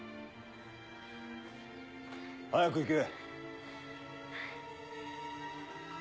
早く行け。